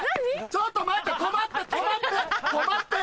ちょっと待って止まって！